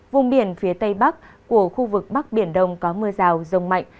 vùng biển phía tây bắc của khu vực bắc biển đông có mưa rào rông mạnh